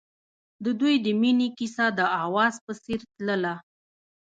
د دوی د مینې کیسه د اواز په څېر تلله.